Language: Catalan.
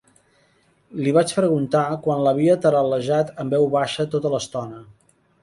Li vaig preguntar, quan l'havia taral·larejat en veu baixa tota l'estona.